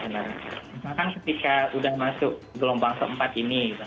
misalkan ketika sudah masuk gelombang keempat ini